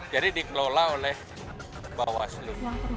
jadi dikelola oleh bawah asli